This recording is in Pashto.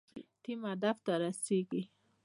ټیم هدف ته رسیږي